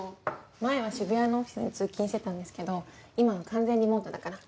前は渋谷のオフィスに通勤してたんですけど今は完全リモートだから。